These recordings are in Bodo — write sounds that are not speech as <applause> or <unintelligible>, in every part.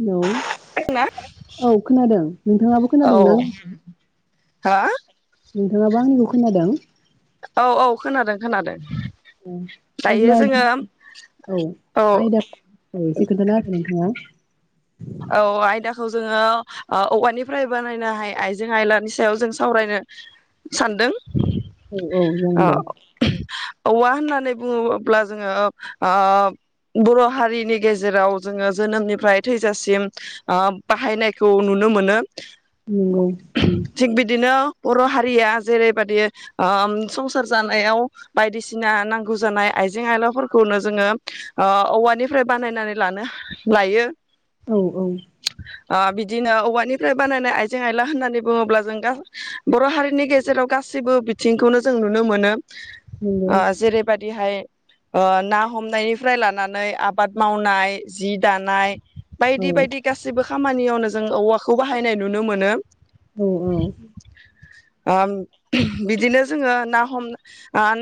हेलौ औ औ खोनादों नोंथाङाबो खोनादों नां हा नोंथाङाबो आंनिखौ खोनादों औ औ खोनादों खोनादों ओ दायो अब्ला जोङो औ आयदा औ एसे खोन्थाना होदो नोंथाङा औ आयदाखौ जोङो औवानिफ्राय बानायनो हाय आइजें आयलानि सायाव जों सावरायनो सानदों औ औ जागोन ओ दे औवा होननानै बुङोब्ला जोङो ओ बर' हारिनि गेजेराव जोङो जोनोमनिफ्राय थै जासिम बाहायनायखौ नुनो मोनो नंगौ उम थिग बिदिनो बर' हारिया जेरैबादि ओ संसार जानायाव बायदिसिना नांगौ जानाय आइजें आयलाफोरखौनो जोङो औवानिफ्राय बानायनानै लानो लायो औ औ ओ बिदिनो औवानिफ्राय बानायनाय आइजें आइला होननानै बुङोब्ला जों बर' हारिनि गेजेराव गासैबो बिथिंखौनो जों नुनो मोनो नंगौ अ जेरै बा बिदिहाय ना हमनायनिफ्राय लानानै आबाद मावनाय जि दानाय औ बायदि बायदि गासिबो खामानियावनो जों औवाखौ बाहायनाय नुनो मोनो औ औ ओ बिदिनो जोङो ना हम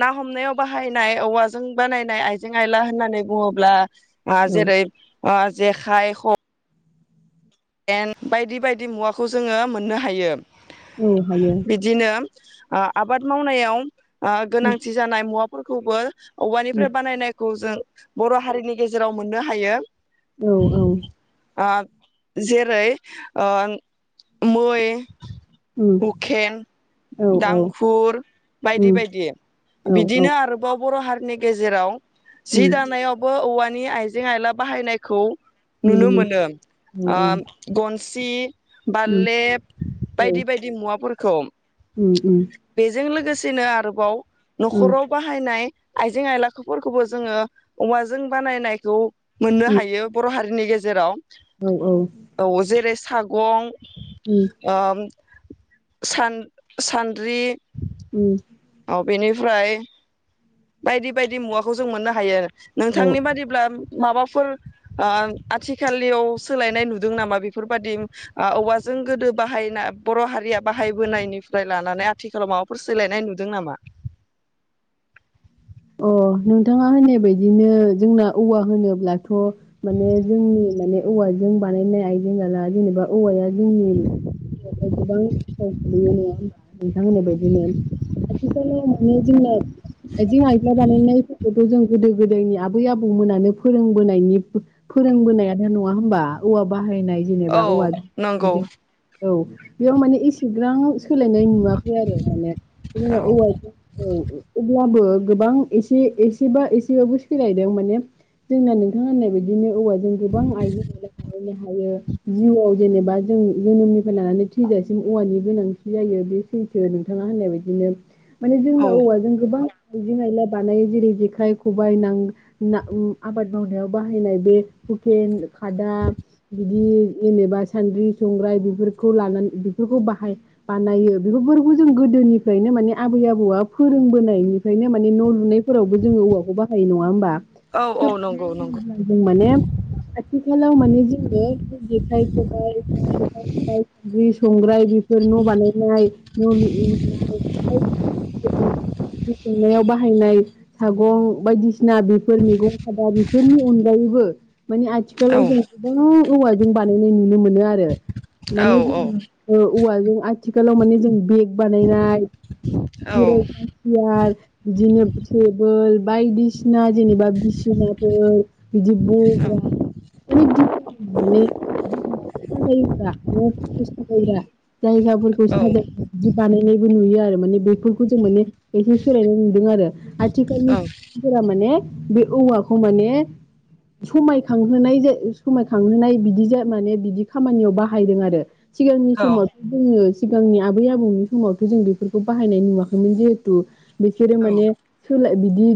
ना हमनायाव बाहायनाय औवाजों बानायनाय आइजें आइला होननानै बुङोब्ला हा औ जेरै जेखाय ख एन बायदि बायदि मुवाखौ जोङो मोननो हायो। औ हायो बिदिनो आ आबाद मावनायाव ओ उम गोनांथि जानाय मुवा फोरखौबो उम औवानिफ्राय बानायनायखौ जों सो बर' हारिनि गेजेराव मोननो हायो। औ औ आ जेरै ओन मै उम हुखेन औ औ दांखुर बायदि उम बायदि औ औ बिदिनो आरोबाव बर' हार स्नि गेजेराव उम जि दानायावबो औवान नि आइजें आइला बाहायनायखौ नुनो मोनो। मोनो औ आम गन सि बाललेब औ बायदि बायदि मुवाफोरखौ औ बेजों लोगोस थिनो आरोबाव न'खराव बाहाय नाय आइजें आइला फोरखौबो जोङो औवाजों बानायनायखौ मोननो हायो बर' हारि नि गेजेराव औ ओ औ जेरै सागं उम ओम सान सानद्रि उम अ बेनिफ्राय बायदि बायदि मुवाखौ जों मोननो हायो। औ नोंथांनि बादिब्लाम माबाफोर ओम आथिखालनियाव सोलायनाय नुदों नामा बेफोरबादि ओ औवाजों गोदो बाहायना बर' हारिया बाहायबोनायनिफ्राय लानानै आथिखालाव माबाफोर सोलायनाय नुदों नामा? अ नोंथाङा होननाय बायदिनो जोंना औवा होनोब्लाथ' माने जोंनि माने औवाजों बानायनाय आइजें आला जेनेबा औवाया जोंनि नाथाय गोबां गोहोम खोलैयो नोङा होमबा नोंथां होननाय बायदिनो आथिखालाव माने जोंना आयजें आइ ना बानायनायफोर अरजों जों गोदो गोदायनि आबै आबौमोनानो फोरोंबोनायनिब ओ फोरोंबोनायानो नङा होमबा औवा बा बाहायनाय जेनेबा औवा औ नंगौ बैदि औ बेयाव माने एसेग्रां सोलायनाय नुवाखै आरो माने जोंना औ औवा ओ अब्लाबो गोबां एसे एसेबा एसेबाबो सोलायदों माने जोंना नोंथाङा होननाय बायदिनो औवाजों गोबां आइजें आइलनो हायो जिउआव जेनेबा जों जोनोमनिफ्राय लानानै थैजासिम औवानि गोनांथि जायो बे सैथो नोंथाङा होननाय बदिनो। माने जोंना औ औवाजों गोबां आइला बानायो जेरै जेखाय खबाइ नां ना आबाद मावनायाव बाहायनाय बे हुखेन खादा बिदि जेनेबा सान्द्रि संग्राय बेफोरखौ लानानै बेफोरखौ बाहाय बानायो बेफोरखौ जों गोदोनिफ्रायनो माने आबै आबौआ फोरोंबोनायनि ओंखायनो माने न' लुनायफोरावबो जोङो औवाखौ बाहायो नङा होनबा? औ नंगौ नंगौ जों माने आथिखालाव माने जोङो जेखाइ खबाइ <unintelligible> संग्राय बि बेफोर न' बानायनाय न' लुनाय ब <unintelligible> संनायाव बाहायनाय सागं बायदिसिना बेफोर मैगं खादा बेफोरनि अनगायैबो मानि आथिखाल औ जों <unintelligible> औवा जों बानायनाय नुनो मोनो आरो। औ माने जोंङो ओ औवा जों आथिखालाव माने जों बेग बानायना औ जिरायग्रा सियार बिदिनो टेबोल बायदि सिना जेनेबा बिसिनाफोर बिदि बग्रा माने <unintelligible> माने <unintelligible> जायगाफोरखौ औ साजाय <unintelligible> बानायनायबो नुयो आरो माने बेफोरखौ जों माने एसे सोलायनाय नुदों आरो। आथिखालनि सुबुंफोरा माने बे औवाखौ माने समायखांहोनाय जे समायखांहोनाय बिदि माने बिदि खामानियाव बाहायदों आरो। सिगांनि औ समावथ' जोङो सिगांनि आबै आबौनि समावथ' जों बेफोरखौ बाहायनाय नुवाखैमोन जेहे थु। बिसोरो औ माने सोलाय बिदि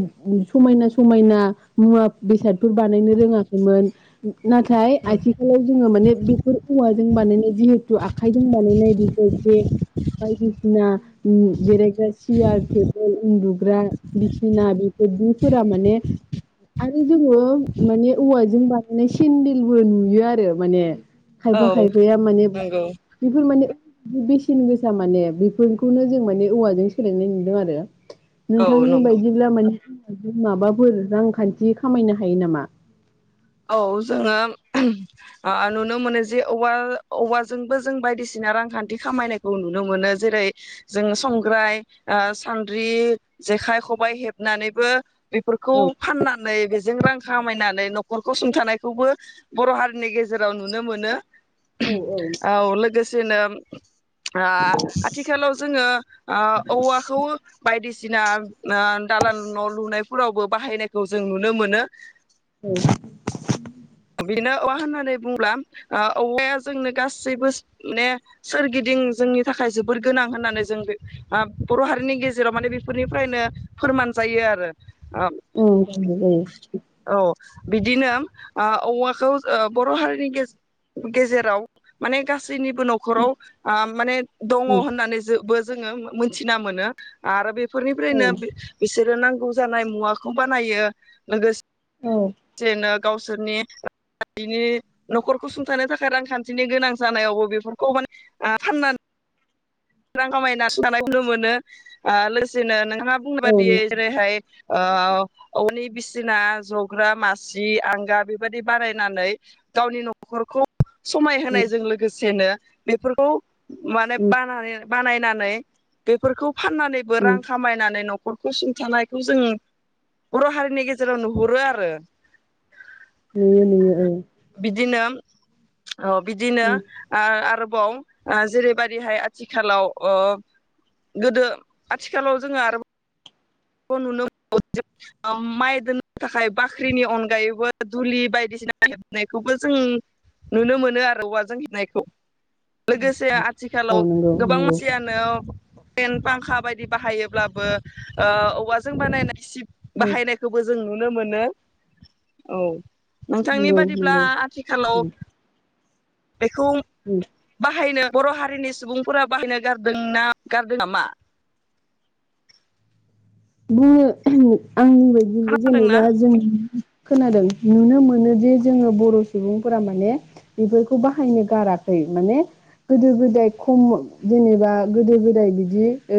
समायना समायना मुवा बेसादफोर बानायनो रोङाखैमोन। नाथाय आथिखालाव जोङो माने बेफोर औवाजों बानायनाय जिहेथु आखाइजों बानायनाय जेहेतु बेग बायदिसिना ओम जिरायग्रा सियार टेबोल उन्दुग्रा बिसिना बेफोरदिफोरा माने आरो जोङो माने औवाजों बानायनाय सेन्देलबो नुयो आरो माने। खायफा खायफाया माने नंगौ बेफोर माने बेसेन गोसा माने बेफोरखौनो जों माने औवाजों <unintelligible> नुदों आरो औ नोंथांनि नंगौ बायदिब्ला माने माबाफोर रांखान्थि खामायनो हायो नामा औ जोङो ओ नुनो मोनो जे औवा औवाजोंबो जों बायदिसिना रांखान्थि खामायनायखौ नुनो मोनो जेरै जों संग्राय सान्द्रि जेखाइ खबाइ हेबनानैबो बेफोरखौ औ फाननानै जों रां खामायनानै नखरखौ सुंथानायखौबो बर' हारिनि गेजेराव नुनो मोनो औ औ लोगोसेनो ओ आथिखालाव जोङो ओ औवाखौ बायदिसिना ओ दालाल न' लुनायफोरावबो बाहायनायखौ जों नुनो मोनो बेनो औवा होननानै बुंब्ला औवाया जोंनो गासैबो माने सोरगिदिं जोंनि थाखाय जोबोर गोनां होननानै जों बे बर' हारिनि गेजेराव माने बेफोरनिफ्रायनो फोरमान जायो आरो ओम जायो जायो ओ औ बिदिनो ओ औवाखौ ओ बर' हारिनि गेजे गेजेराव माने गासै निबो न'खराव माने दङ उम होननानै <unintelligible> जोंङो मोनथिना मोनो आरो बे फोरनिफ्रायनो औ बि-बिसोर रो नांगौ जानाय मुवाखौ बानायो लोगो औ सेनो गावसोरनि <inaudible> न'खरखौ सुंथानो थाखाय रांखान्थिनि गोनां जानायावबो बेफोरखौ माने आ फानना रां <inaudible> नुनो मोनो ओ लोसेनो नोंहा मा बुंनो उम बियो जेरैहाय ओ अवनि बिसिना जग्रा मासि आंगा बेबायदि बारायनानै गावनि न'खरखौ समाय उम होनायजों लोगोसेनो बेफोरखौ माने बा <unintelligible> बानायनानै बेफोरखौ फाननानैबो रां उम खामायनानै न' खरखौ सुंथानायखौ जोङो बर' हारिनि गेजेराव नुहुरो आरो नुयो नुयो ओ <inaudible> अ बिदिनो ओ आरो बाव ओ जेरैबादिहाय आथि खालाव ओ गोदो आथिखालाव जोङो आरो बाव नुनो <inaudible> माइ दोननो थाखाय बाख्रिनि अनगायैबो दुलि बायदिसिना हेबनायखौबो जों नुनो मोनो आरो औवाजों हेबनायखौ लोगोसे आथिखालाव औ नंगौ गोबां नंगौ मानसियानो एन पांखा बायदि बाहायोब्लाबो ओ औवाजों बानायनाय गिसिब उम बाहायनायखौबो जों नु नो मोनो औ नोंथांनि नंगौ बादिब्ला नंगौ आथिखालाव उम बेखौ उम बाहायनो बर' हारिनि सुबुंफोरा बाहायनो गारदों ना गारदो नामा <inaudible> आंनि बायदिबो खोनादोंना जेनेबा जों खोनादों नुनो मोनोदि जोङो बर' सुबुंफोरा माने बेफोरखौ बाहायनो गाराखै माने गोदो गोदाय खम जेनेबा गोदो गोदाय बिदि ओ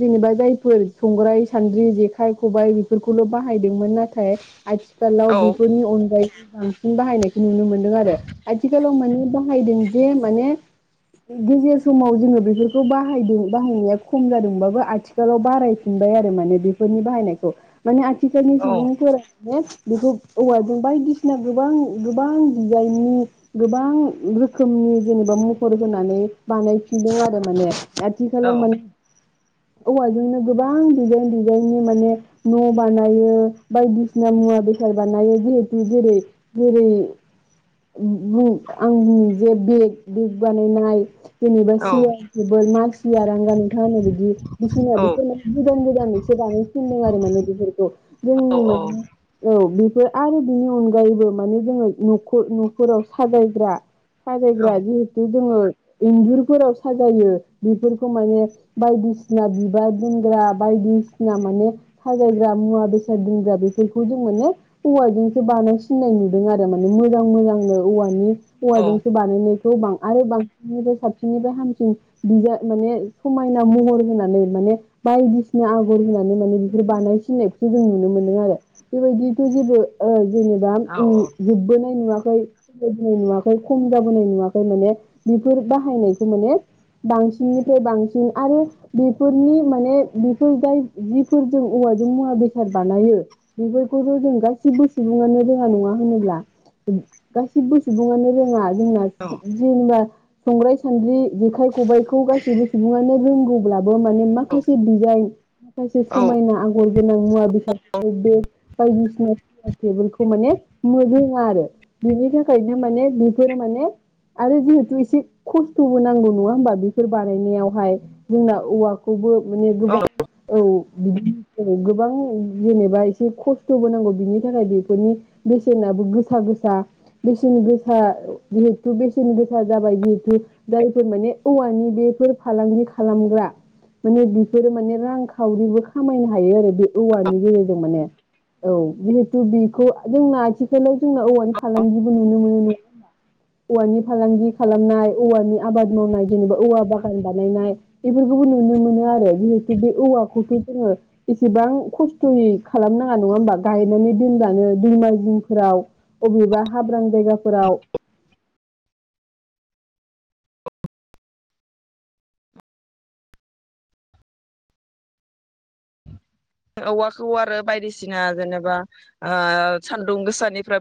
जेनेबा जायफोर संग्राय सान्द्रि जेखाइ खबाइ बेफोरखौल' बाहाय दोंमोन नाथाय आथिखालाव औ बेफोरनि अनगायै बांसिन बाहायनायखो नुनो मोनदों आरो आथिखालाव माने बाहायदों जे माने गेजेर समाव जोङो बेफोरखौ बाहायदों बाहायनाया खम जादोंबाबो आथिखालाव बाराय फिनबाय आरो माने बेफोरनि बाहायनायखौ माने आ थिखालनि औ सुबुंफोर बेखौ औवाजों बायदिसिना गोबां गोबां दिजाइननि गोबां रोखोमनि जेनेबा महर होनानै बानायफिनदों आरो माने। औ आथिखालाव माने औवाजोंनो गोबां दिडिजाइन डिजाइन नि माने न' बानायो बायदिसिना मुवा बेसाद बानायो जिहेथु जेरै जेरै आंनि जे बेग बेग बानायनाय जेनेबा औ सियार टेबोल मासि आरांगा नोंथांमोना बिबायदि बिसिना औ गोदान गोदान एसे बानाय फिनदों आरो माने बेफोरखौ औ जोंनि माने <unintelligible> बेफोर आरो बिनि अनगायैबो माने जोङो नख न'खराव साजायग्रा बाजायग्रा जिहेतु जोङो इन्जुरफोराव साजायो बेफोरखौ माने बायदिसिना <unintelligible> बा दोनग्रा बायदिसिना माने साजायग्रा मुवा बेसाद दोनग्रा बेफोरखौ जों माने औवाजोंसो बानायसिननाय नुदों आरो माने मोजां मोजांनो औवानि औ औवाजोंसो बानायनाय गोबां आरो बांसिनिफ्राय साबसिननिफ्राय हामसिन माने समायना महर होनानै माने बायदिसिना आगर होनानै माने बेफोर बानायसिननायखौसो जों नुनो मोनदों आरो बेबायदिथ' जेबो जेनेबा औ उम औ जोबबोनाय नुवाखै। <unintelligible> नुवाखै खम जाबोनाय नुवाखै माने बेफोर बाहायनायखौ माने बांसिननिफ्राय बांसिन आरो बे बे फोरनि माने बेफोर जाय जिफोर जों औवाजों मुवा बेसाद बानायो बेफोरखौथ' जों गासिबो सुबुङानो रोङा नङा होनोब्ला गासिबो सुबुङानो रोङा। औ <unintelligible> जेनेबा संग्राय सान्द्रि जेखाइ खबायखौ गासैबो सुबुङानो रोंगौब्ला माने माखासे दिजाइन माखासे समायना आगर गोनां मुवा बेसादफोरखौ बे बायदिसिना‌ सियार टेलखौ माने रोङा आरो बेनि थाखायनो माने बेफोर माने आरो जिहेथु एसे खस्थ'बो नांगौ नङा होमबा बेफोर बानायनायावहाय जोंना। औवाखौबो। माने गोबां औ। बिदि गोबां जेनेबा एसे खस्थ'बो नांगौ बिनि थाखाय बेफोरनि बेसेनाबो गोसा गोसा बेसेन गोसा जिहेथु बेसेन गोसा जाबाय जिहेथु जायफोर माने औवानि बेफोर फालांगि खालामग्रा। माने बेफोरो माने रांखावरिबो खामायनो हायो आरो बे औवानि गेजेरजों माने औ जिहेथु बेखौ जोंना आथिखालाव जोंना औवानि फालांगिबो नुनो मोनो नङा होनबा। औवानि फालांगि खालामनाय औवानि आबाद मावनाय जेनेबा औवा बागान बानायनाय बेफोर नुनो मोनो आरो जिहेतु बे औवाखौथ' जोङो इसेबां खस्थ'यै खालामनााङा नङा होमबा गायनानै दोनब्लानो दैमा जिंफोराव अबेबा हाब्रां जायगाफोराव औवाखौ आरो बायदिसिना जेनेबा सान्दुं गोसानिफ्राय